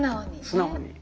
素直に。